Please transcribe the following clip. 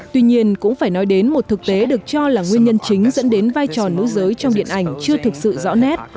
tuy nhiên cũng phải nói đến một thực tế được cho là nguyên nhân chính dẫn đến vai trò nữ giới trong điện ảnh chưa thực sự rõ nét